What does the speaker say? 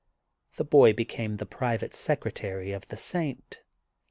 The boy became the private secretary of the Saint.